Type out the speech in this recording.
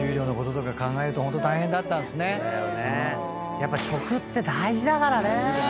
やっぱ食って大事だからね。